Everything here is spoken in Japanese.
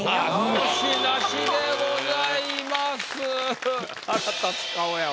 直しなしでございます。